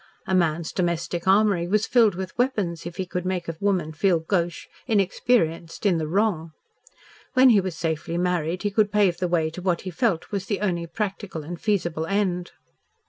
A man's domestic armoury was filled with weapons if he could make a woman feel gauche, inexperienced, in the wrong. When he was safely married, he could pave the way to what he felt was the only practical and feasible end.